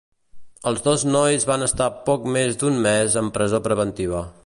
Els dos nois van estar poc més d’un més en presó preventiva.